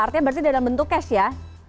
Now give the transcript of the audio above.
artinya berarti dalam bentuk cash ya